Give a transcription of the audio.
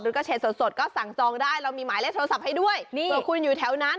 หรือกระเชษสดก็สั่งซองได้เรามีหมายเลขโทรศัพท์ให้ด้วยตรงคุณอยู่แถวนั้น